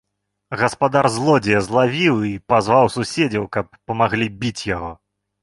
Гаспадар злодзея злавіў і пазваў суседзяў, каб памаглі біць яго.